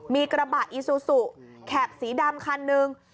มีกระบะอีซูซูแข็บสีดำคันหนึ่ง